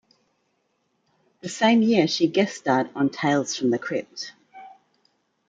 The same year, she guest starred on "Tales from the Crypt".